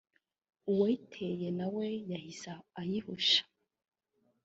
uwayiteye nawe yahise ayihusha